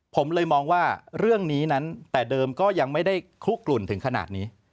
ผมเลยมองว่าเรื่องนี้นั้นแต่เดิมก็ยังไม่ได้คลุกกลุ่นถึงขนาดนี้